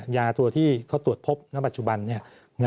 ยาตัวที่เขาตรวจพบณปัจจุบันนี้